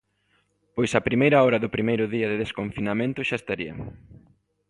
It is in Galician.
Pois a primeira hora do primeiro día de desconfinamento xa estaría.